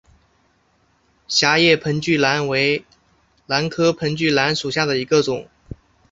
狭叶盆距兰为兰科盆距兰属下的一个种。